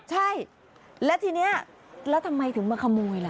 ใช่แล้วทีนี้แล้วทำไมถึงมาขโมยล่ะ